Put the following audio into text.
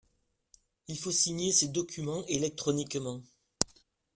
Il faut signer ses documents électroniquement.